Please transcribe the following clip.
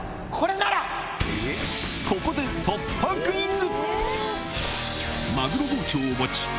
ここで突破クイズ！